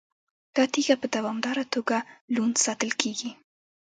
دا تیږه په دوامداره توګه لوند ساتل کیږي.